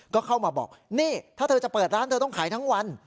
ก็เข้ามาบอกนี่ถ้าเธอจะเปิดร้านเธอต้องขายทั้งวัน